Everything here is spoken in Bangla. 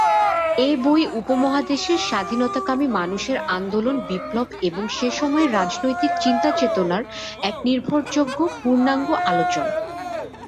এ বই উপমহাদেশের স্বাধীনতাকামী মানুষের আন্দোলন বিপ্লব এবং সেসময়ের রাজনৈতিক চিন্তা-চেতনার এক নির্ভরযোগ্য পূর্ণাঙ্গ আলোচনা।